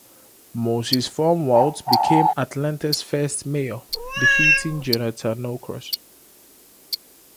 Moses Formwalt became Atlanta's first mayor, defeating Jonathan Norcross.